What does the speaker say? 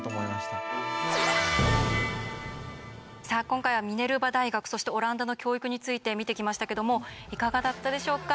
今回はミネルバ大学そしてオランダの教育について見てきましたけどもいかがだったでしょうか？